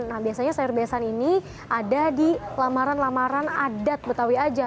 nah biasanya sayur besan ini ada di lamaran lamaran adat betawi aja